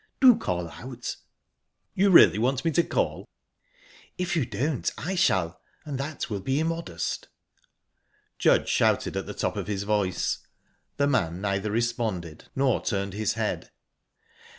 Do call out." "You really want me to call?" "If you don't I shall, and that will be immodest." Judge shouted at the top of his voice. The man neither responded nor turned his head.